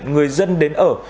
người dân đến ở